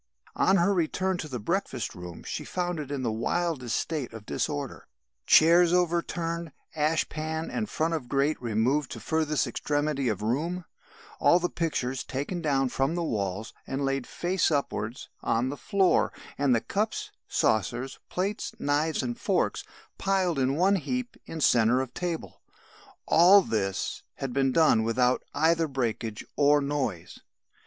On her return to the breakfast room she found it in the wildest state of disorder; chairs over turned, ashpan and front of grate removed to furthest extremity of room, all the pictures taken down from the walls and laid face upwards on the floor, and the cups, saucers, plates, knives and forks piled in one heap in centre of table; all this had been done without either breakage or noise.